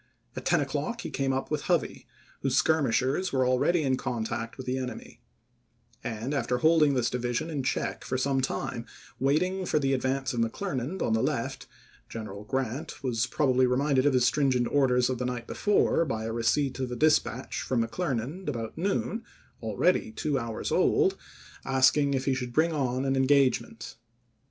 About ten o'clock he came up with Hovey, whose skir mishers were already in contact with the enemy ; and, after holding this division in check for some time waiting for the advance of McCler nand on the left, G eneral Grant was probably re minded of his stringent orders of the night before by the receipt of a dispatch from McClernand about noon, already two hours old, asking if he should bring on an engagement.